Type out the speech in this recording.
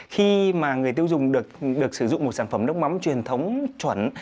khi mà người tiêu dùng được sử dụng một sản phẩm nước mắm truyền thống chuẩn